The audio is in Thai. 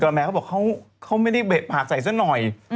แม่เขาบอกเขาไม่ได้เบะผักใส่ซะหน่อย